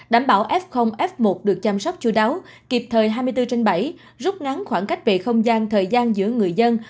đảm bảo f f một được chăm sóc chú đáo kịp thời hai mươi bốn trên bảy rút ngắn khoảng cách về không gian thời gian giữa người dân